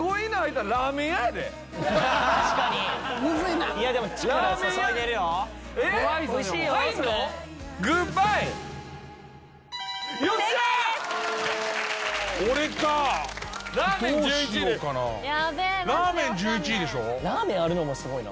らーめんあるのもすごいな。